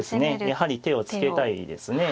やはり手をつけたいですね。